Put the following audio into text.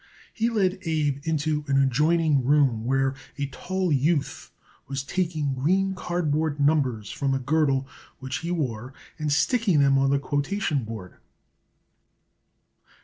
He led Abe into an adjoining room where a tall youth was taking green cardboard numbers from a girdle which he wore, and sticking them on the quotation board.